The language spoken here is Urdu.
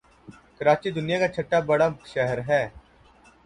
کراچی دنیا کاچهٹا بڑا شہر ہے